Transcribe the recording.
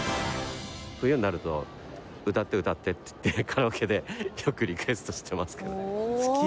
冬になると「歌って歌って」って言ってカラオケでよくリクエストしてますけど。